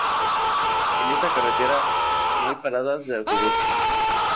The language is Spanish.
En esta carretera no hay paradas de autobús.